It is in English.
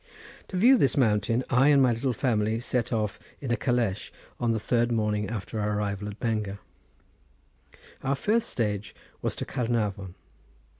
To view this mountain I and my little family set off in a calèche on the third morning after our arrival at Bangor. Our first stage was to Caernarvon.